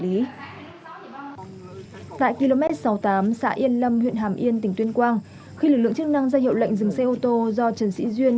tại km sáu mươi tám xã yên lâm huyện hàm yên tỉnh tuyên quang khi lực lượng chức năng ra hiệu lệnh dừng xe ô tô do trần sĩ duyên